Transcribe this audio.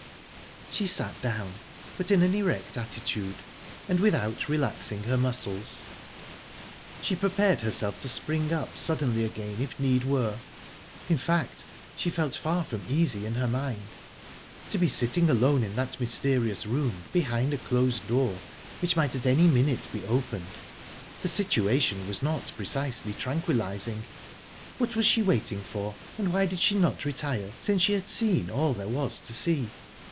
She sat down, but in an erect attitude and without relaxing her muscles. She prepared herself to spring up suddenly again, if need were. In fact, she felt far from easy in her mind. To be sitting alone in that mysterious room, behind a closed door, which might at any minute be opened the situation was not precisely tranquillising... What was she waiting for, and why did she not retire, since she had seen all there was to see?